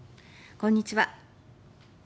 こんにちは。